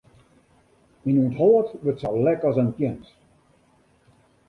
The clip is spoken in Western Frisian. Myn ûnthâld wurdt sa lek as in tjems.